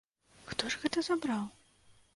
Хто ж гэта забраў?